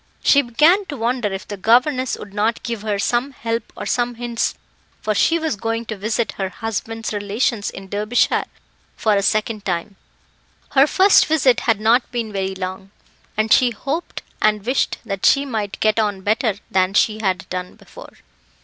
She began to wonder if the governess would not give her some help or some hints, for she was going to visit her husband's relations in Derbyshire for a second time her first visit had not been very long and she hoped and wished that she might get on better than she had done before.